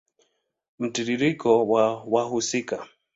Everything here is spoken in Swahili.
Mtiririko wa wahusika